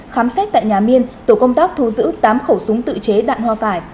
khám xét tại nhà miên tổ công tác thu giữ tám khẩu súng tự chế đạn hoa cải